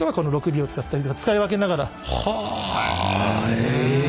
へえ！